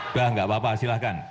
udah gak apa apa silahkan